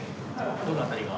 どの辺りが？